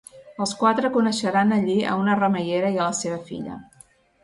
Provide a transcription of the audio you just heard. Els quatre coneixeran allí a una remeiera i a la seva filla.